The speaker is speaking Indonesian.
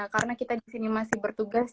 karena kita di sini masih banyak